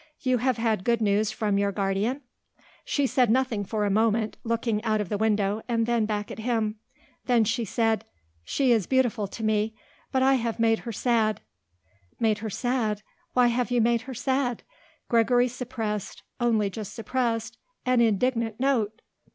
"You have had good news from your guardian?" She said nothing for a moment, looking out of the window, and then back at him. Then she said: "She is beautiful to me. But I have made her sad." "Made her sad? Why have you made her sad?" Gregory suppressed only just suppressed an indignant note.